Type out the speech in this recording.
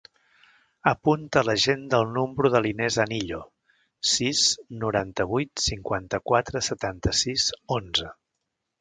Apunta a l'agenda el número de l'Inès Anillo: sis, noranta-vuit, cinquanta-quatre, setanta-sis, onze.